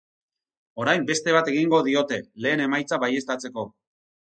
Orain beste bat egingo diote, lehen emaitza baieztatzeko.